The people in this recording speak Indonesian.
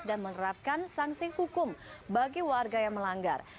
dan menerapkan sanksi hukum bagi warga yang melanggar